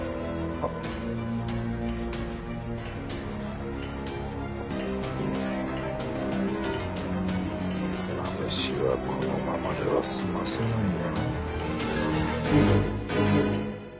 フッマムシはこのままでは済ませないよ。